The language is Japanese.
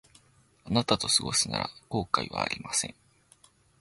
あなたと過ごすなら後悔はありません